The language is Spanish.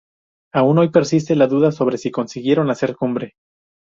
Aún hoy persiste la duda sobre si consiguieron hacer cumbre.